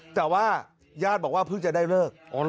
แต่ว่าญาติบอกว่าเพิ่งจะได้เลิก